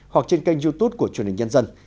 hoặc trên kênh youtube của truyền hình nhân dân